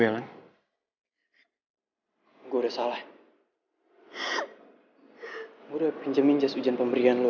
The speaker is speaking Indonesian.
oleh karena pabrik menuju jalan ke delhi dulu